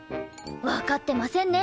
わかってませんね。